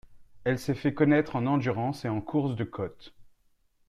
Elle s'est fait connaître en endurance et en course de côte.